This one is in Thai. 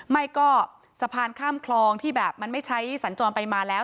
ไม่ก็สะพานข้ามคลองที่แบบมันไม่ใช้สัญจรไปมาแล้ว